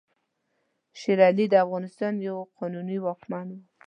شېر علي د افغانستان یو قانوني واکمن وو.